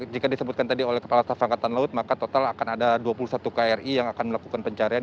jika disebutkan tadi oleh kepala staf angkatan laut maka total akan ada dua puluh satu kri yang akan melakukan pencarian